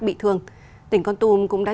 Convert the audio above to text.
bị thương tỉnh con tôm cũng đã